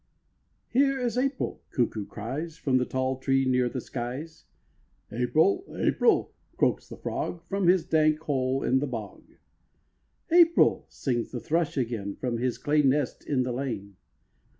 "Here is April!" cuckoo cries From the tall tree near the skies; "April! April!" croaks the frog From his dank hole in the bog; "April!" sings the thrush again From his clay nest in the lane.